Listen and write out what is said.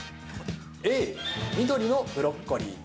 Ａ、緑のブロッコリー。